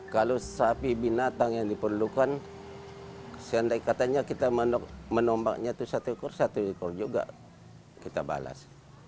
kalau sapi binatang yang diperlukan seandai katanya kita menombaknya itu satu ekor satu ekor juga kita balas